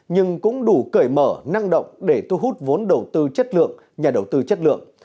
nhưng cũng đủ cởi mở năng động để thu hút vốn đầu tư chất lượng nhà đầu tư chất lượng